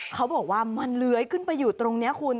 เขาบอกว่ามันเลื้อยขึ้นไปอยู่ตรงนี้คุณ